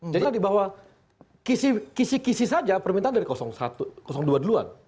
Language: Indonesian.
jadi bahwa kisi kisi saja permintaan dari dua duluan